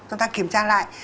chúng ta kiểm tra lại